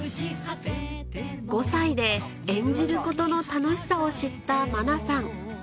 ５歳で演じることの楽しさを知った愛菜さん